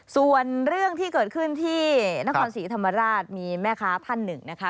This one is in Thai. ส่วนเรื่องที่เกิดขึ้นที่นครศรีธรรมราชมีแม่ค้าท่านหนึ่งนะคะ